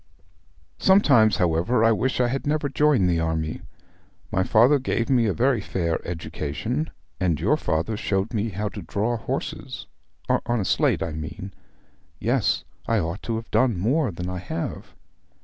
'Sometimes, however, I wish I had never joined the army. My father gave me a very fair education, and your father showed me how to draw horses on a slate, I mean. Yes, I ought to have done more than I have.'